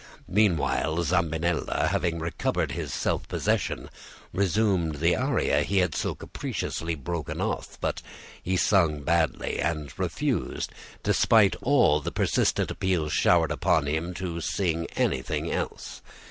Meanwhile Zambinella, having recovered his self possession, resumed the aria he had so capriciously broken off; but he sang badly, and refused, despite all the persistent appeals showered upon him, to sing anything else.